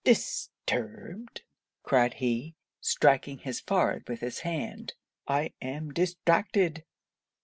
'Disturbed!' cried he, striking his forehead with his hand, 'I am distracted!